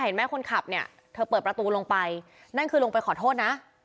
เห็นไหมคนขับเนี่ยเธอเปิดประตูลงไปนั่นคือลงไปขอโทษนะ